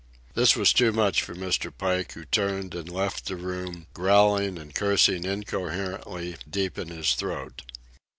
This was too much for Mr. Pike, who turned and left the room, growling and cursing incoherently, deep in his throat.